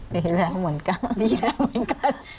ดีแล้วเหมือนกันดีแล้วเหมือนกัน